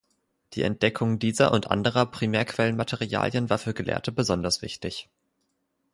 Die Entdeckung dieser und anderer Primärquellenmaterialien war für Gelehrte besonders wichtig.